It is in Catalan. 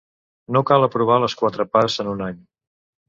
No cal aprovar les quatre parts en un any.